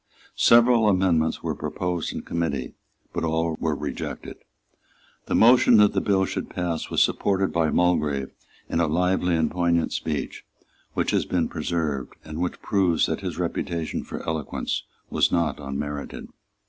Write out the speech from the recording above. Several amendments were proposed in committee; but all were rejected. The motion that the bill should pass was supported by Mulgrave in a lively and poignant speech, which has been preserved, and which proves that his reputation for eloquence was not unmerited.